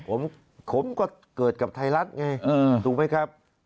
ผมผมก็เกิดกับไทยรัฐไงถูกไหมครับ